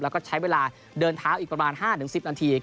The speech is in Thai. แล้วก็ใช้เวลาเดินเท้าอีกประมาณ๕๑๐นาที